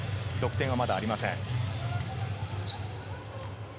得点はまだありません。